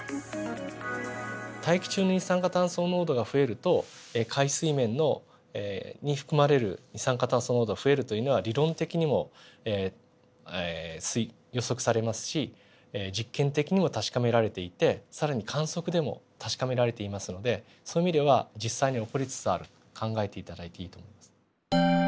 大気中の二酸化炭素濃度が増えると海水面に含まれる二酸化炭素濃度が増えるというのは理論的にも予測されますし実験的にも確かめられていて更に観測でも確かめられていますのでそういう意味では実際に起こりつつあると考えて頂いていいと思います。